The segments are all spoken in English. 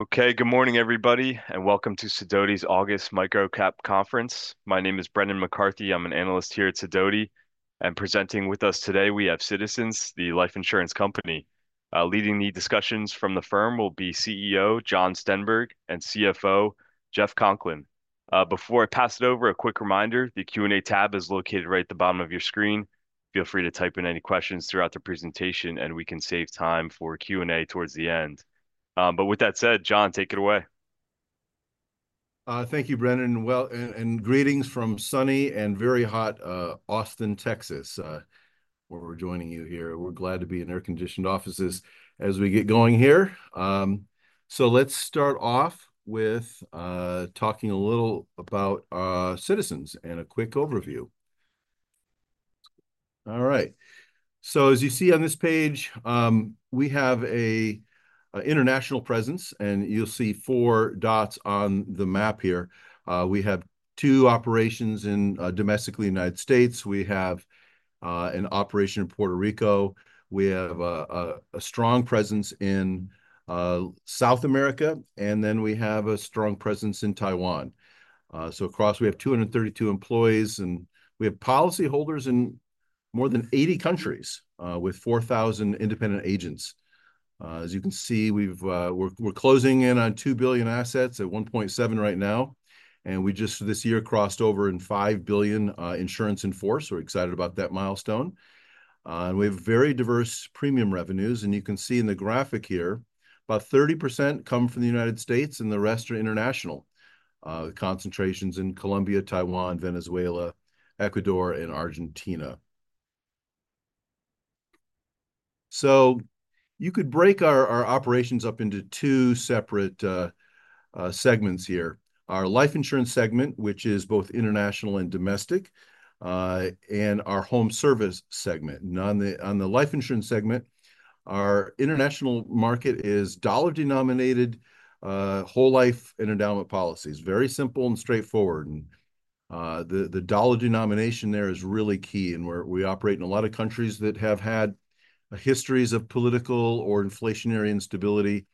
Okay, good morning, everybody, and welcome to Sidoti's August MicroCap Conference. My name is Brendan McCarthy. I'm an analyst here at Sidoti, and presenting with us today we have Citizens, the life insurance company. Leading the discussions from the firm will be CEO Jon Stenberg and CFO Jeff Conklin. Before I pass it over, a quick reminder, the Q&A tab is located right at the bottom of your screen. Feel free to type in any questions throughout the presentation, and we can save time for Q&A towards the end. But with that said, Jon, take it away. Thank you, Brendan, well, and greetings from sunny and very hot Austin, Texas, where we're joining you here. We're glad to be in air-conditioned offices as we get going here. So let's start off with talking a little about Citizens and a quick overview. All right. So as you see on this page, we have an international presence, and you'll see four dots on the map here. We have two operations in domestically United States. We have an operation in Puerto Rico. We have a strong presence in South America, and then we have a strong presence in Taiwan. So across we have 232 employees, and we have policyholders in more than 80 countries, with 4,000 independent agents. As you can see, we've... We're, we're closing in on $2 billion assets at $1.7 billion right now, and we just this year crossed over $5 billion insurance in force. We're excited about that milestone. And we have very diverse premium revenues, and you can see in the graphic here, about 30% come from the United States, and the rest are international. The concentrations in Colombia, Taiwan, Venezuela, Ecuador, and Argentina. So you could break our operations up into two separate segments here. Our life insurance segment, which is both international and domestic, and our home service segment. Now, on the life insurance segment, our international market is dollar-denominated whole life and endowment policies. Very simple and straightforward, and the dollar denomination there is really key, and we operate in a lot of countries that have had histories of political or inflationary instability,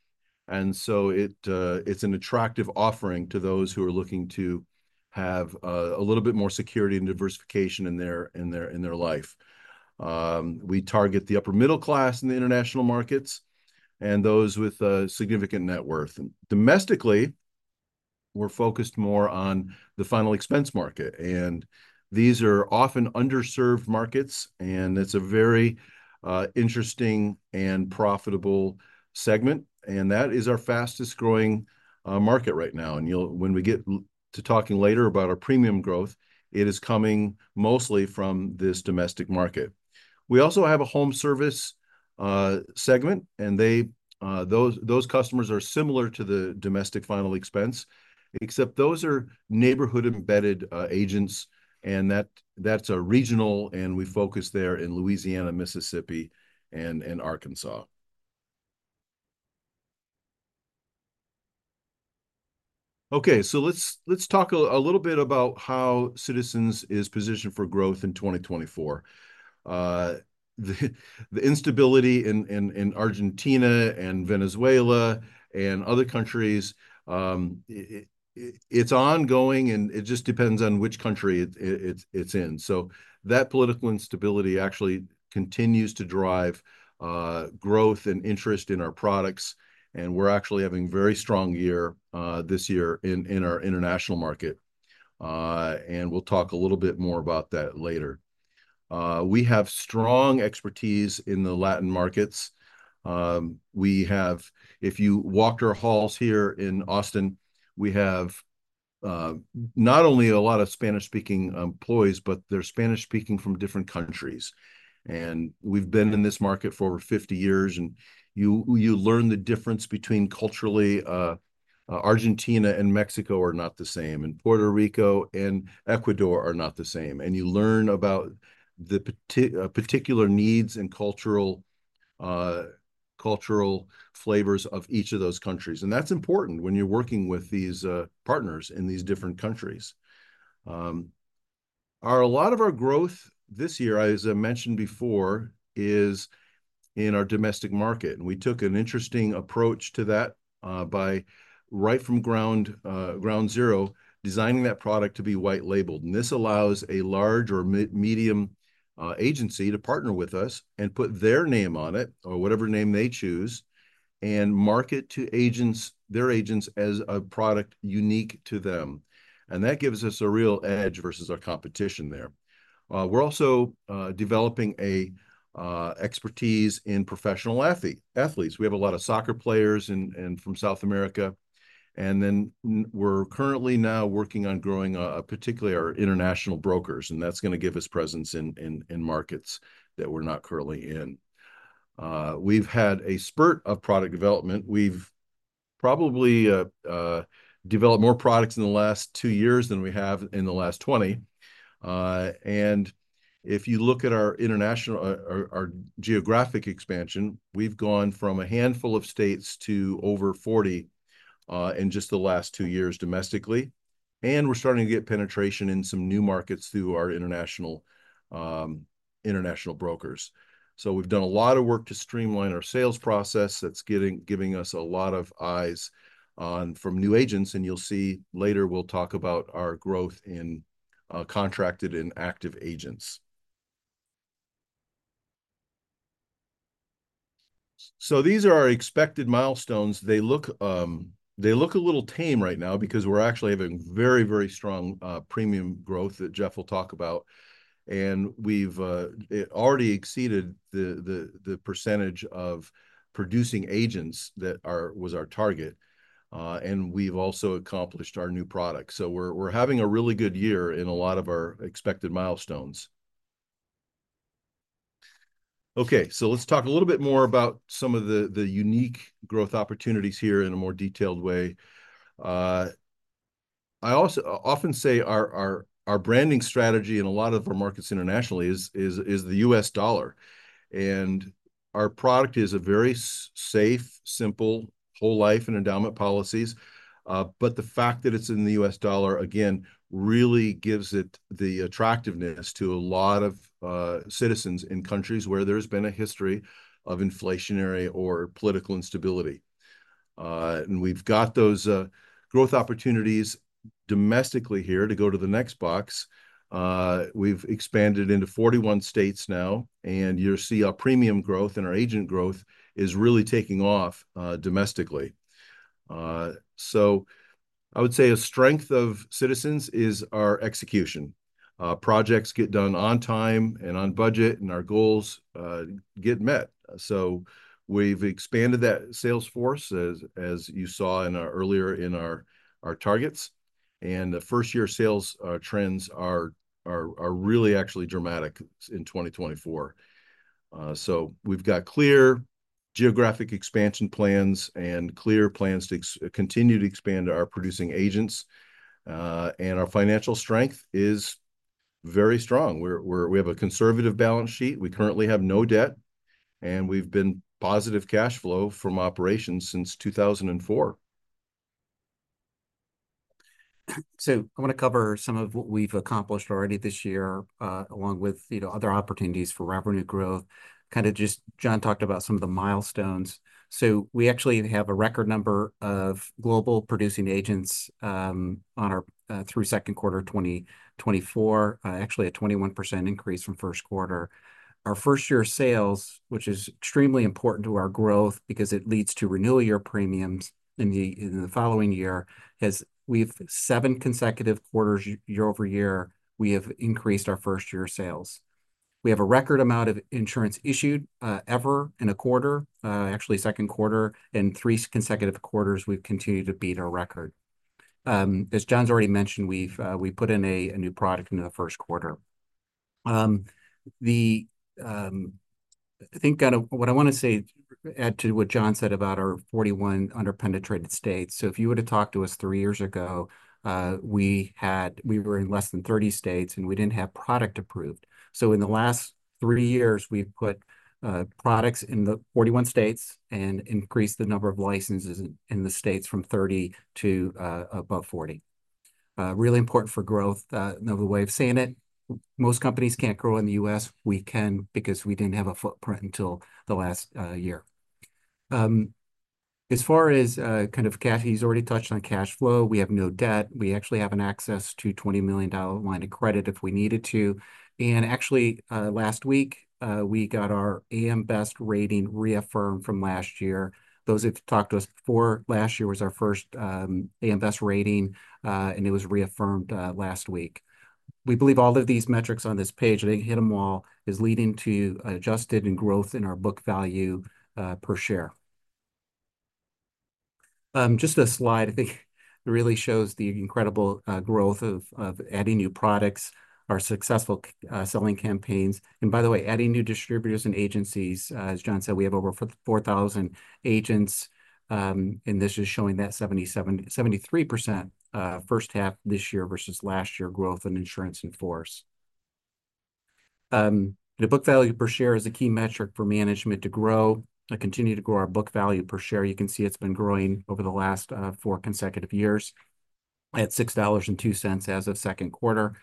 and so it, it's an attractive offering to those who are looking to have a little bit more security and diversification in their life. We target the upper middle class in the international markets and those with significant net worth. Domestically, we're focused more on the final expense market, and these are often underserved markets, and it's a very interesting and profitable segment, and that is our fastest-growing market right now. When we get to talking later about our premium growth, it is coming mostly from this domestic market. We also have a home service segment, and they, those customers are similar to the domestic final expense, except those are neighborhood-embedded agents, and that's a regional, and we focus there in Louisiana, Mississippi, and Arkansas. Okay, so let's talk a little bit about how Citizens is positioned for growth in 2024. The instability in Argentina and Venezuela and other countries, it's ongoing, and it just depends on which country it's in. So that political instability actually continues to drive growth and interest in our products, and we're actually having a very strong year this year in our international market. And we'll talk a little bit more about that later. We have strong expertise in the Latin markets. We have... If you walked our halls here in Austin, we have not only a lot of Spanish-speaking employees, but they're Spanish-speaking from different countries. We've been in this market for over 50 years, and you learn the difference between culturally Argentina and Mexico are not the same, and Puerto Rico and Ecuador are not the same. You learn about the particular needs and cultural flavors of each of those countries, and that's important when you're working with these partners in these different countries. A lot of our growth this year, as I mentioned before, is in our domestic market, and we took an interesting approach to that by right from ground zero, designing that product to be white labeled. This allows a large or medium agency to partner with us and put their name on it, or whatever name they choose, and market to agents, their agents as a product unique to them, and that gives us a real edge versus our competition there. We're also developing a expertise in professional athletes. We have a lot of soccer players and from South America, and then we're currently now working on growing particularly our international brokers, and that's gonna give us presence in markets that we're not currently in. We've had a spurt of product development. We've probably developed more products in the last two years than we have in the last 20. And if you look at our international, our geographic expansion, we've gone from a handful of states to over 40 in just the last two years domestically... and we're starting to get penetration in some new markets through our international, international brokers. So we've done a lot of work to streamline our sales process that's getting—giving us a lot of eyes on from new agents, and you'll see later we'll talk about our growth in, contracted and active agents. So these are our expected milestones. They look, they look a little tame right now because we're actually having very, very strong, premium growth that Jeff will talk about, and we've, it already exceeded the, the percentage of producing agents that are—was our target. And we've also accomplished our new product. So we're having a really good year in a lot of our expected milestones. Okay, so let's talk a little bit more about some of the unique growth opportunities here in a more detailed way. I also often say our branding strategy in a lot of our markets internationally is the U.S. dollar, and our product is a very safe, simple whole life and endowment policies. But the fact that it's in the U.S. dollar, again, really gives it the attractiveness to a lot of citizens in countries where there's been a history of inflationary or political instability. And we've got those growth opportunities domestically here to go to the next box. We've expanded into 41 states now, and you'll see our premium growth and our agent growth is really taking off domestically. So I would say a strength of Citizens is our execution. Projects get done on time and on budget, and our goals get met. So we've expanded that sales force, as you saw earlier in our targets, and the first-year sales trends are really actually dramatic in 2024. So we've got clear geographic expansion plans and clear plans to continue to expand our producing agents, and our financial strength is very strong. We have a conservative balance sheet. We currently have no debt, and we've been positive cash flow from operations since 2004. So I want to cover some of what we've accomplished already this year, along with, you know, other opportunities for revenue growth. Kind of just Jon talked about some of the milestones. So we actually have a record number of global producing agents, on our, through second quarter of 2024, actually a 21% increase from first quarter. Our first-year sales, which is extremely important to our growth because it leads to renewal year premiums in the, in the following year, has, we've 7 consecutive quarters year-over-year, we have increased our first-year sales. We have a record amount of insurance issued, ever in a quarter, actually second quarter, in 3 consecutive quarters we've continued to beat our record. As Jon already mentioned, we've, we put in a new product into the first quarter. The, I think kind of what I want to say, add to what Jon said about our 41 under-penetrated states. So if you were to talk to us three years ago, we were in less than 30 states, and we didn't have product approved. So in the last three years, we've put products in the 41 states and increased the number of licenses in the states from 30 to above 40. Really important for growth. Another way of saying it, most companies can't grow in the U.S. We can because we didn't have a footprint until the last year. As far as kind of cash, he's already touched on cash flow. We have no debt. We actually have an access to $20 million line of credit if we needed to. Actually, last week, we got our AM Best rating reaffirmed from last year. Those who've talked to us before last year was our first, AM Best rating, and it was reaffirmed, last week. We believe all of these metrics on this page, I think hit them all, is leading to adjusted and growth in our book value, per share. Just a slide I think really shows the incredible, growth of, of adding new products, our successful, selling campaigns, and by the way, adding new distributors and agencies. As Jon said, we have over 4,000 agents, and this is showing that 73%, first half this year versus last year growth in insurance in force. The book value per share is a key metric for management to grow, continue to grow our book value per share. You can see it's been growing over the last four consecutive years at $6.02 as of second quarter.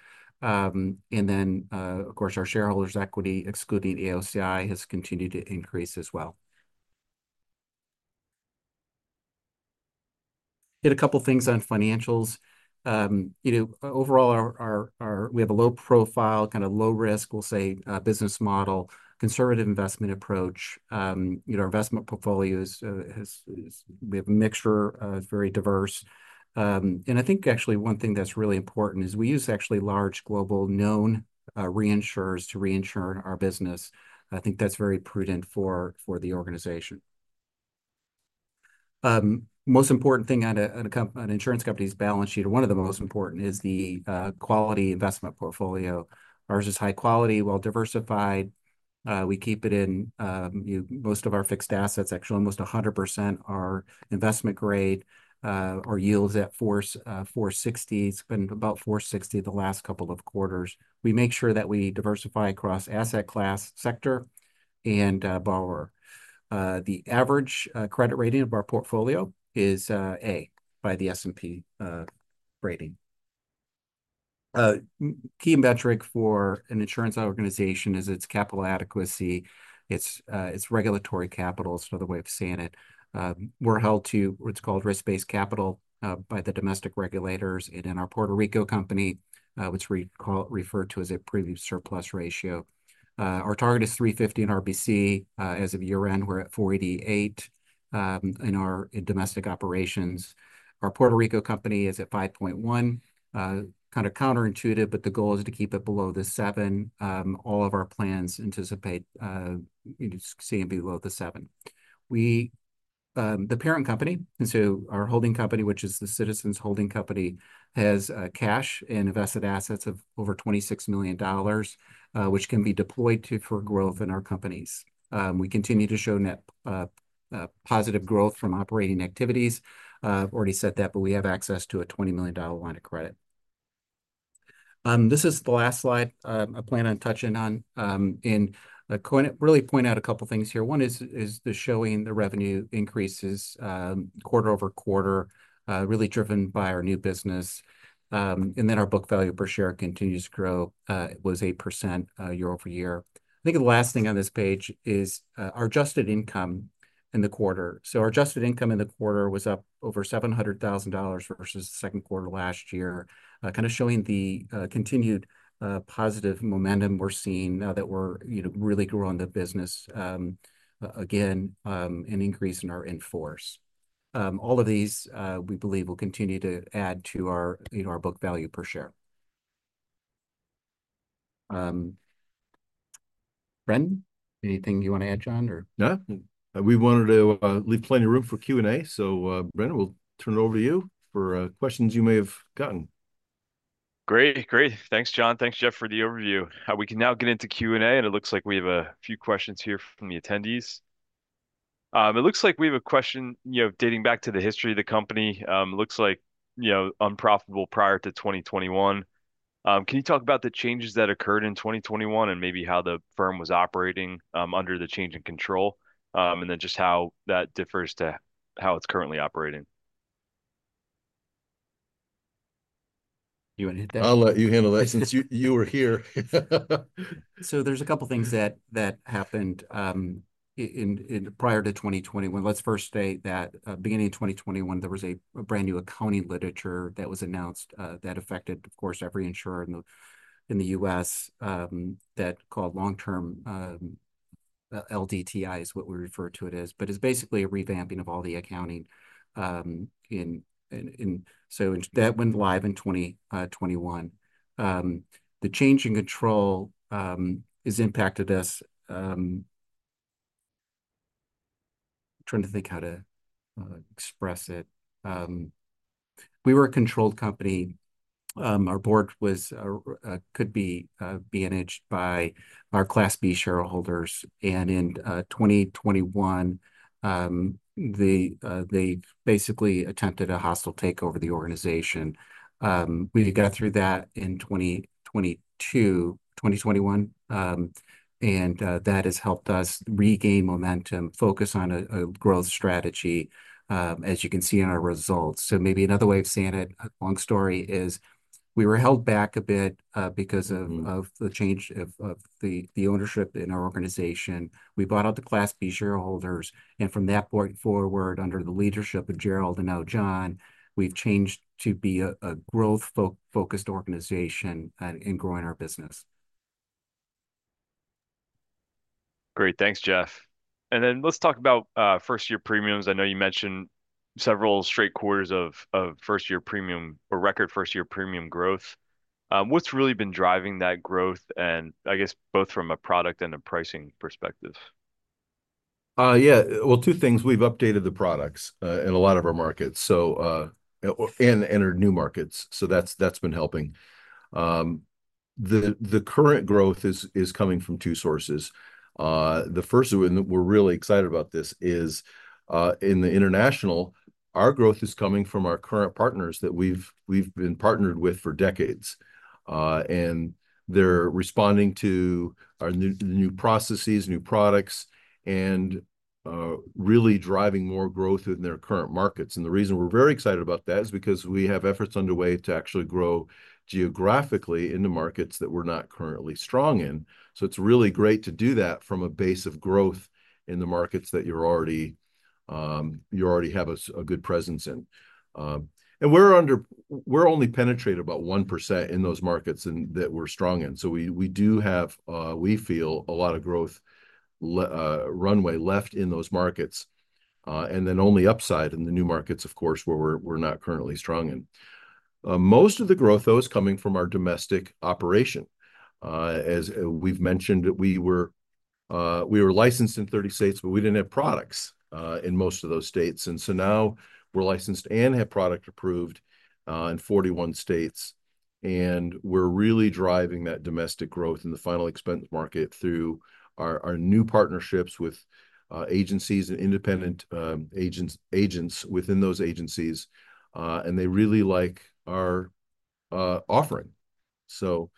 And then, of course, our shareholders' equity, excluding AOCI, has continued to increase as well. Hit a couple things on financials. You know, overall, we have a low profile, kind of low risk, we'll say, business model, conservative investment approach. You know, our investment portfolio is -- we have a mixture, it's very diverse. And I think actually one thing that's really important is we use actually large global known reinsurers to reinsure our business. I think that's very prudent for the organization. Most important thing on an insurance company's balance sheet, or one of the most important, is the quality investment portfolio. Ours is high quality, well-diversified. We keep it in most of our fixed assets, actually, almost 100%, are investment grade, or yields at 4.60%. It's been about 4.60% the last couple of quarters. We make sure that we diversify across asset class, sector, and borrower. The average credit rating of our portfolio is A by the S&P rating. Key metric for an insurance organization is its capital adequacy, its regulatory capital is another way of saying it. We're held to what's called risk-based capital by the domestic regulators, and in our Puerto Rico company, which we refer to as a Puerto Rico surplus ratio. Our target is 350 in RBC. As of year-end, we're at 488 in our domestic operations. Our Puerto Rico company is at 5.1. Kind of counterintuitive, but the goal is to keep it below 7. All of our plans anticipate, you know, staying below 7. The parent company, and so our holding company, which is the Citizens holding company, has cash and invested assets of over $26 million, which can be deployed for growth in our companies. We continue to show net positive growth from operating activities. I've already said that, but we have access to a $20 million line of credit. This is the last slide I plan on touching on. And I kinda really point out a couple things here. One is showing the revenue increases, quarter-over-quarter, really driven by our new business, and then our book value per share continues to grow. It was 8%, year-over-year. I think the last thing on this page is our adjusted income in the quarter. So our adjusted income in the quarter was up over $700,000 versus the second quarter last year, kind of showing the continued positive momentum we're seeing now that we're, you know, really growing the business, again, an increase in our in force. All of these, we believe will continue to add to our, you know, our book value per share. Brendan, anything you want to add, Jon, or? No. We wanted to leave plenty of room for Q&A. So, Brendan, we'll turn it over to you for questions you may have gotten. Great. Great. Thanks, Jon. Thanks, Jeff, for the overview. We can now get into Q&A, and it looks like we have a few questions here from the attendees. It looks like we have a question, you know, dating back to the history of the company. Looks like, you know, unprofitable prior to 2021. Can you talk about the changes that occurred in 2021 and maybe how the firm was operating, under the change in control, and then just how that differs to how it's currently operating? You want to hit that? I'll let you handle that since you were here. So there's a couple things that happened prior to 2021. Let's first state that beginning in 2021, there was a brand new accounting literature that was announced that affected, of course, every insurer in the U.S. that called long-term LDTI is what we refer to it as, but it's basically a revamping of all the accounting, so that went live in 2021. The change in control has impacted us. Trying to think how to express it. We were a controlled company. Our board could be managed by our Class B shareholders, and in 2021, they basically attempted a hostile takeover of the organization. We got through that in 2022, 2021, and that has helped us regain momentum, focus on a growth strategy, as you can see in our results. So maybe another way of saying it, a long story, is we were held back a bit, because of- Mm... of the change of the ownership in our organization. We bought out the Class B shareholders, and from that point forward, under the leadership of Gerald and now Jon, we've changed to be a growth-focused organization in growing our business. Great. Thanks, Jeff. And then let's talk about first-year premiums. I know you mentioned several straight quarters of first-year premium or record first-year premium growth. What's really been driving that growth, and I guess both from a product and a pricing perspective? Yeah. Well, two things. We've updated the products in a lot of our markets, so and our new markets, so that's been helping. The current growth is coming from two sources. The first, and we're really excited about this, is in the international, our growth is coming from our current partners that we've been partnered with for decades. And they're responding to our new processes, new products, and really driving more growth in their current markets. And the reason we're very excited about that is because we have efforts underway to actually grow geographically into markets that we're not currently strong in. So it's really great to do that from a base of growth in the markets that you're already, you already have a good presence in. We're only penetrated about 1% in those markets that we're strong in. So we do have. We feel a lot of growth runway left in those markets, and then only upside in the new markets, of course, where we're not currently strong in. Most of the growth, though, is coming from our domestic operation. As we've mentioned, we were licensed in 30 states, but we didn't have products in most of those states, and so now we're licensed and have product approved in 41 states, and we're really driving that domestic growth in the final expense market through our new partnerships with agencies and independent agents within those agencies, and they really like our offering. So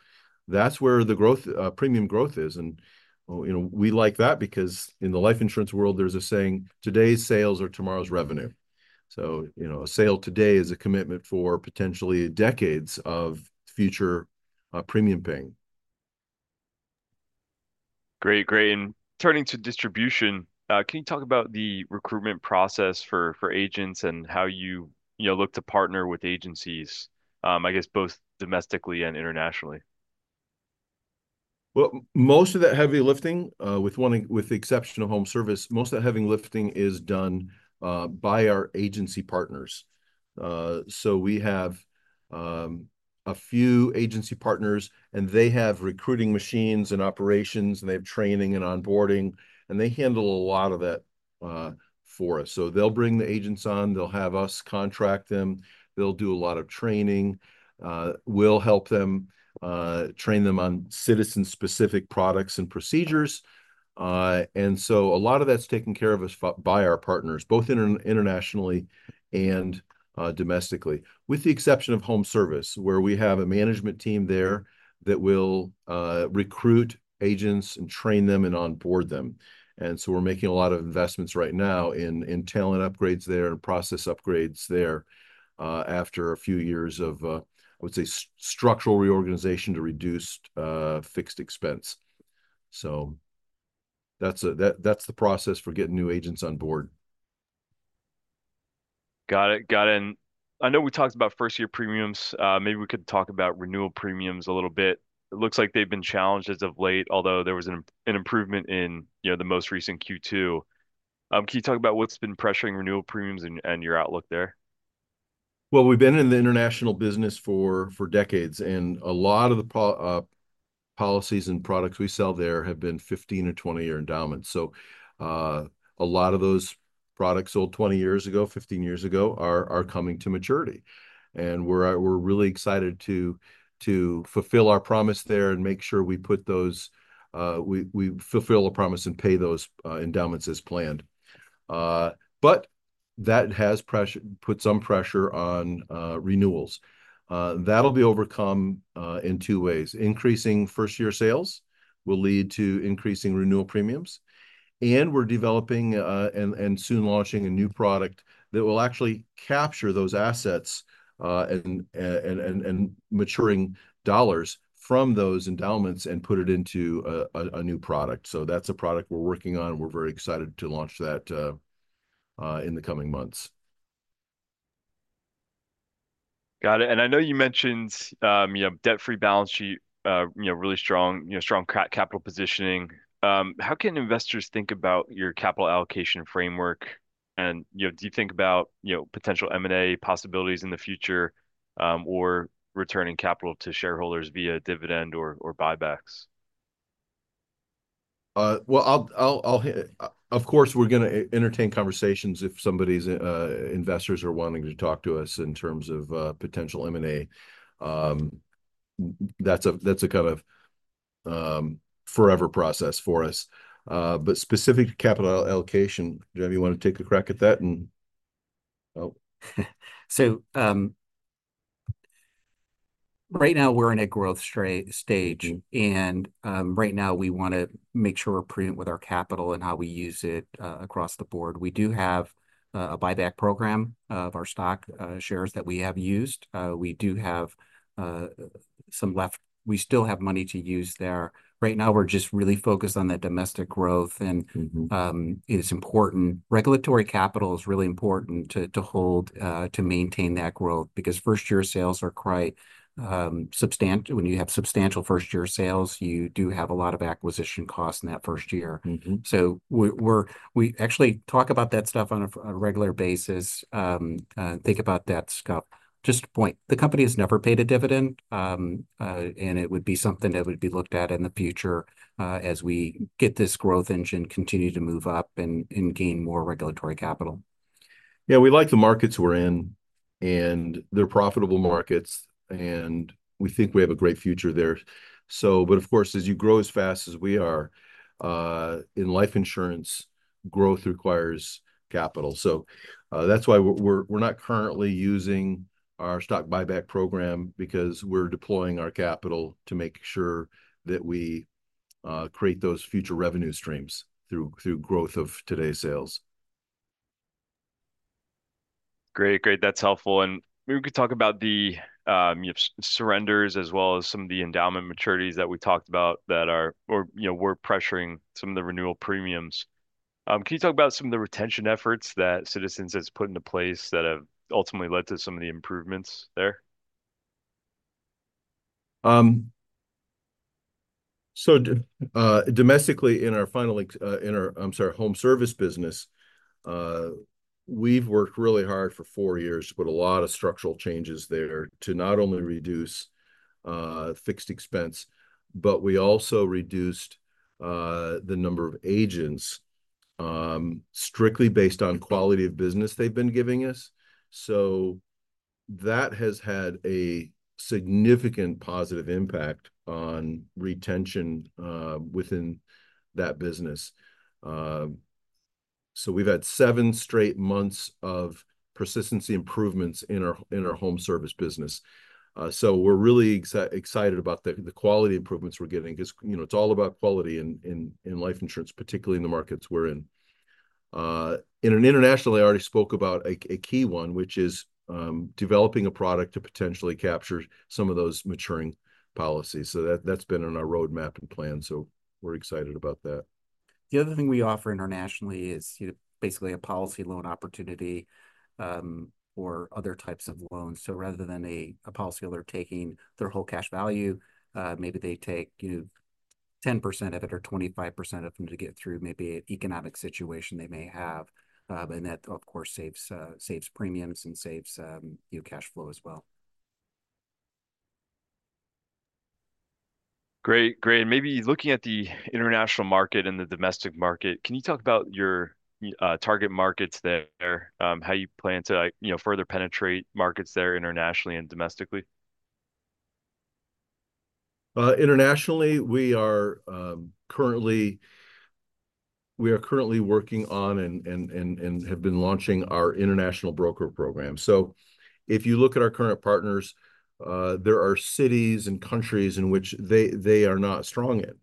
that's where the growth, premium growth is, and, well, you know, we like that because in the life insurance world, there's a saying, "Today's sales are tomorrow's revenue." So, you know, a sale today is a commitment for potentially decades of future, premium paying.... Great, great. Turning to distribution, can you talk about the recruitment process for agents and how you, you know, look to partner with agencies, I guess both domestically and internationally? Well, most of that heavy lifting, with the exception of Home Service, most of the heavy lifting is done by our agency partners. So we have a few agency partners, and they have recruiting machines and operations, and they have training and onboarding, and they handle a lot of that for us. So they'll bring the agents on, they'll have us contract them. They'll do a lot of training. We'll help them train them on Citizens-specific products and procedures. And so a lot of that's taken care of by our partners, both internationally and domestically, with the exception of Home Service, where we have a management team there that will recruit agents and train them and onboard them. And so we're making a lot of investments right now in talent upgrades there and process upgrades there, after a few years of, I would say, structural reorganization to reduce fixed expense. So that's the process for getting new agents on board. Got it. Got it. And I know we talked about first-year premiums. Maybe we could talk about renewal premiums a little bit. It looks like they've been challenged as of late, although there was an improvement in, you know, the most recent Q2. Can you talk about what's been pressuring renewal premiums and your outlook there? Well, we've been in the international business for decades, and a lot of the policies and products we sell there have been 15- or 20-year endowments. So, a lot of those products sold 20 years ago, 15 years ago, are coming to maturity. And we're really excited to fulfill our promise there and make sure we fulfill the promise and pay those endowments as planned. But that has put some pressure on renewals. That'll be overcome in 2 ways. Increasing first-year sales will lead to increasing renewal premiums, and we're developing and soon launching a new product that will actually capture those assets and maturing dollars from those endowments and put it into a new product. That's a product we're working on, and we're very excited to launch that in the coming months. Got it. And I know you mentioned, you know, debt-free balance sheet, you know, really strong, you know, strong capital positioning. How can investors think about your capital allocation framework? And, you know, do you think about, you know, potential M&A possibilities in the future, or returning capital to shareholders via dividend or, or buybacks? Well, I'll... Of course, we're gonna entertain conversations if somebody's investors are wanting to talk to us in terms of potential M&A. That's a kind of forever process for us. But specific to capital allocation, do you want to take a crack at that, and... Oh. Right now we're in a growth stage. Mm. - and, right now we want to make sure we're prudent with our capital and how we use it, across the board. We do have a buyback program of our stock, shares that we have used. We do have some left. We still have money to use there. Right now, we're just really focused on the domestic growth and- Mm-hmm... it is important. Regulatory capital is really important to hold to maintain that growth. Because first-year sales are quite substantial when you have substantial first-year sales, you do have a lot of acquisition costs in that first year. Mm-hmm. So we actually talk about that stuff on a regular basis, think about that, Stock. Just a point, the company has never paid a dividend, and it would be something that would be looked at in the future, as we get this growth engine continue to move up and gain more regulatory capital. Yeah, we like the markets we're in, and they're profitable markets, and we think we have a great future there. So but of course, as you grow as fast as we are in life insurance, growth requires capital. So, that's why we're not currently using our stock buyback program because we're deploying our capital to make sure that we create those future revenue streams through growth of today's sales. Great, great. That's helpful. And maybe we could talk about the surrenders, as well as some of the endowment maturities that we talked about that are... or, you know, we're pressuring some of the renewal premiums. Can you talk about some of the retention efforts that Citizens has put into place that have ultimately led to some of the improvements there? So domestically, in our home service business, we've worked really hard for four years to put a lot of structural changes there, to not only reduce fixed expense, but we also reduced the number of agents strictly based on quality of business they've been giving us. So that has had a significant positive impact on retention within that business. So we've had seven straight months of persistency improvements in our home service business. So we're really excited about the quality improvements we're getting because, you know, it's all about quality in life insurance, particularly in the markets we're in. Internationally, I already spoke about a key one, which is developing a product to potentially capture some of those maturing policies. So that, that's been in our roadmap and plan, so we're excited about that. The other thing we offer internationally is, you know, basically a policy loan opportunity, or other types of loans. So rather than a policyholder taking their whole cash value, maybe they take, you know, 10% of it or 25% of them to get through maybe an economic situation they may have. But that, of course, saves premiums and saves, you know, cash flow as well. Great. Great, and maybe looking at the international market and the domestic market, can you talk about your target markets there? How you plan to, like, you know, further penetrate markets there internationally and domestically? Internationally, we are currently working on and have been launching our international broker program. So if you look at our current partners, there are cities and countries in which they are not strong in.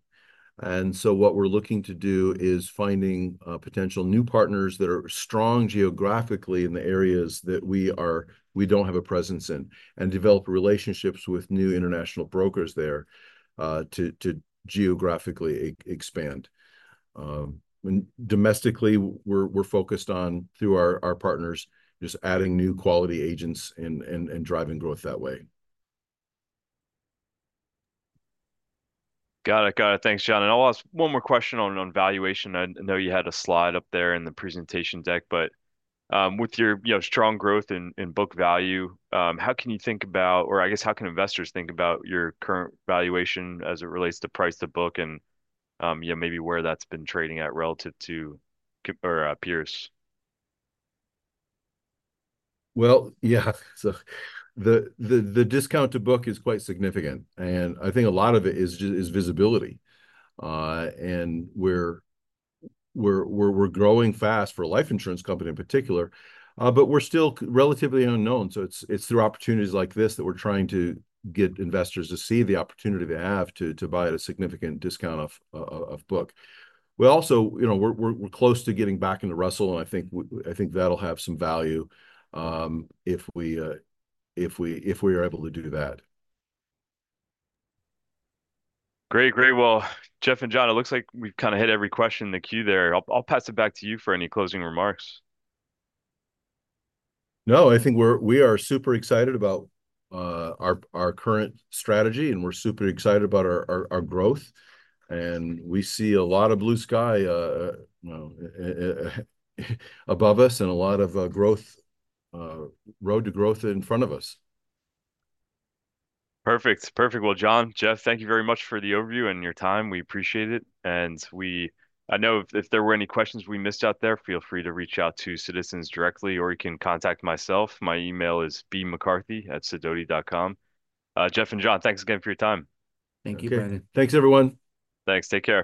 And so what we're looking to do is finding potential new partners that are strong geographically in the areas that we don't have a presence in, and develop relationships with new international brokers there, to geographically expand. And domestically, we're focused on, through our partners, just adding new quality agents and driving growth that way. Got it. Got it. Thanks, Jon. And I'll ask one more question on valuation. I know you had a slide up there in the presentation deck, but with your, you know, strong growth in book value, how can you think about, or I guess, how can investors think about your current valuation as it relates to price to book and, you know, maybe where that's been trading at relative to... or peers? Well, yeah, so the discount to book is quite significant, and I think a lot of it is visibility. And we're growing fast for a life insurance company in particular, but we're still relatively unknown. So it's through opportunities like this that we're trying to get investors to see the opportunity they have to buy at a significant discount off book. We're also, you know, we're close to getting back into Russell, and I think that'll have some value, if we are able to do that. Great. Great. Well, Jeff and Jon, it looks like we've kind of hit every question in the queue there. I'll, I'll pass it back to you for any closing remarks. No, I think we are super excited about our current strategy, and we're super excited about our growth, and we see a lot of blue sky, you know, above us and a lot of growth road to growth in front of us. Perfect. Perfect. Well, Jon, Jeff, thank you very much for the overview and your time. We appreciate it, and I know if there were any questions we missed out there, feel free to reach out to Citizens directly, or you can contact myself. My email is bmccarthy@sidoti.com. Jeff and Jon, thanks again for your time. Thank you, Brendan. Okay. Thanks, everyone. Thanks. Take care.